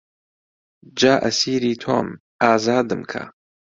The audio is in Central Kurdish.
جا ئەسیری تۆم ئازادم کە